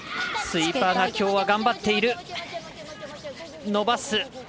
スイーパーがきょうは頑張っている。